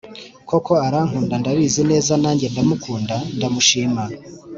Koko arankunda ndabizi neza nanjye ndamukunda ndamushima